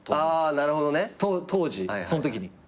あなるほどね。当時そのときに。